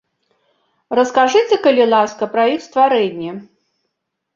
Раскажыце, калі ласка, пра іх стварэнне.